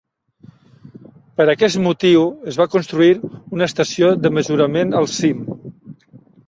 Per aquest motiu es va construir una estació de mesurament al cim.